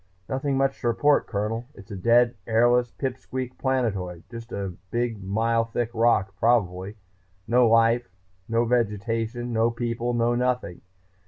"Nothing much to report, Colonel. It's a dead, airless pip squeak planetoid, just a big mile thick rock, probably. No life, no vegetation, no people, no nothing.